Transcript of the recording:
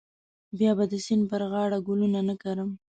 بیا به د سیند پر غاړه ګلونه نه کرم.